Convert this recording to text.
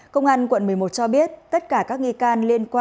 công an quận một mươi một cho biết tất cả các nghi can liên quan